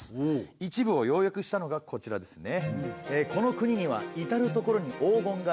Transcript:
一部を要約したのがこちらですね。